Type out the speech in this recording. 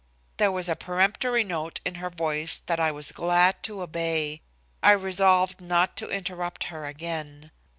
There was a peremptory note in her voice that I was glad to obey. I resolved not to interrupt her again.